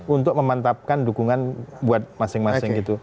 untuk memantapkan dukungan buat masing masing gitu